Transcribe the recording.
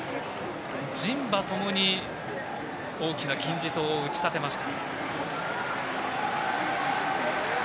人馬ともに大きな金字塔を打ち立てました。